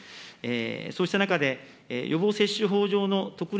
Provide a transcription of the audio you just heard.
そうした中で、予防接種法上の特例